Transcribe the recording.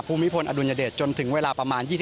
ภูมิพลอดุลยเดชจนถึงเวลาประมาณ๒๐